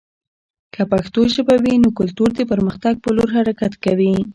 که پښتو ژبه وي، نو کلتور د پرمختګ په لور حرکت کوي.